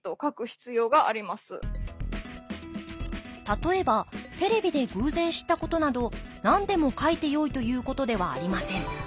例えばテレビで偶然知ったことなど何でも書いてよいということではありません。